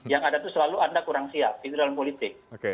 yang ada itu selalu anda kurang siap itu dalam politik